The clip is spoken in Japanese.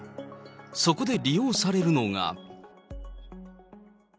そこで利用されるのが。